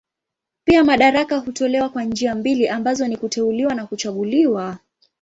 Pia madaraka hutolewa kwa njia mbili ambazo ni kuteuliwa na kuchaguliwa.